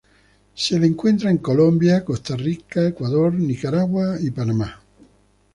Se lo encuentra en Colombia, Costa Rica, Ecuador, Nicaragua, y Panamá.